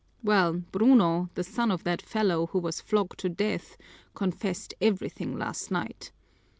Well, Bruno, the son of that fellow who was flogged to death, confessed everything last night.